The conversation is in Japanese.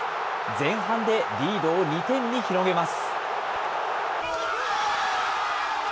前半でリードを２点に広げます。